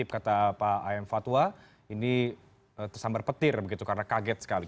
karena kaget sekali